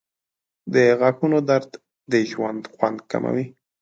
• د غاښونو درد د ژوند خوند کموي.